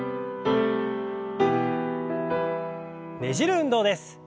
ねじる運動です。